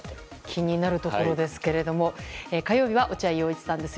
気になるところですが火曜日は落合陽一さんです。